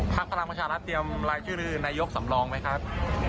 ภาพพลังประชารัฐเตรียมรายชื่อนายกรมนตรีสำรองหรือไม่ครับ